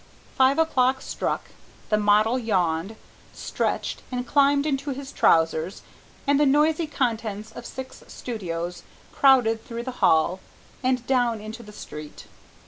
Five o'clock struck, the model yawned, stretched and climbed into his trousers, and the noisy contents of six studios crowded through the hall and down into the street.